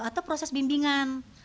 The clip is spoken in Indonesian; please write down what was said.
atau proses bimbingan